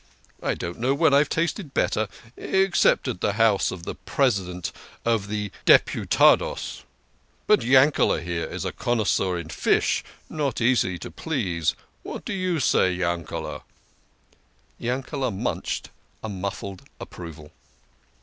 I don't know when I've tasted better, except at the house of the President of the Deputados. But Yankele here is a connoisseur in fish, not easy to please. What say you, Yankele" ?" Yankele" munched a muffled approval.